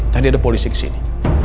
tadi ada polisi kesini